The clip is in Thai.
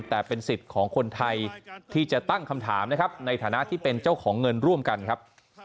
แต่เป็นสิทธิ์ของคนไทยที่จะตั้งคำถามนะครับในฐานะที่เป็นเจ้าของเงินร่วมกันครับ